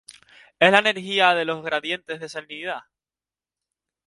Es la energía de los gradientes de salinidad.